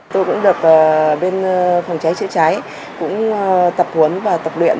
tôi cũng được bên phòng cháy chữa cháy cũng tập huấn và tập luyện